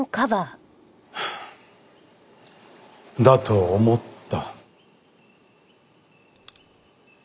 だと思った。